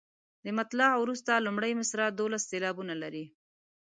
له مطلع وروسته لومړۍ مصرع دولس سېلابونه لري.